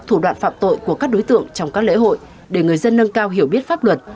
thủ đoạn phạm tội của các đối tượng trong các lễ hội để người dân nâng cao hiểu biết pháp luật